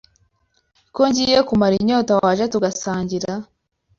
Ko ngiye kumara inyota waje tugasangira